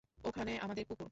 ওখানে আমাদের কুকুর।